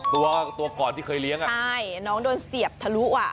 ตัวตัวก่อนที่เคยเลี้ยงอ่ะใช่น้องโดนเสียบทะลุอ่ะ